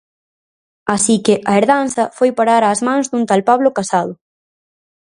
Así que, a herdanza foi parar ás mans dun tal Pablo Casado.